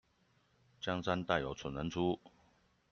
江山代有蠢人出